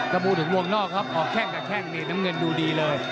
ถ้าพูดถึงวงนอกครับออกแข้งกับแข้งนี่น้ำเงินดูดีเลย